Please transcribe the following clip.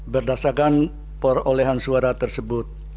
berdasarkan perolehan suara tersebut